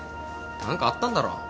何かあったんだろ。